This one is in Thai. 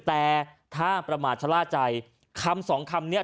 แต่ถ้าประมาทชะล่าใจคำสองคำนี้